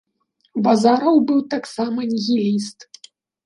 Базараў быў таксама нігіліст.